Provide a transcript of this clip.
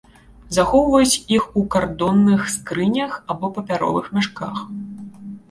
Захоўваюць іх у кардонных скрынях або папяровых мяшках.